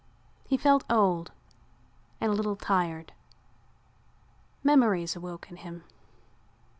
He felt old and a little tired. Memories awoke in him.